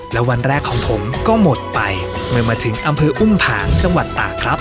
และวันแรกของผมก็หมดไปเมื่อมาถึงอำเภออุ้มผางจังหวัดตากครับ